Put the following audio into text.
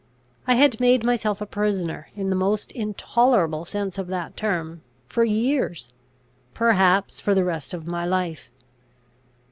I had made myself a prisoner, in the most intolerable sense of that term, for years perhaps for the rest of my life.